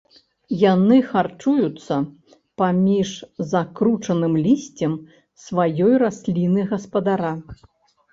Яны харчуюцца паміж закручаным лісцем сваёй расліны-гаспадара.